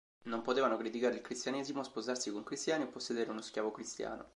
Non potevano criticare il Cristianesimo, sposarsi con cristiani, o possedere uno schiavo cristiano.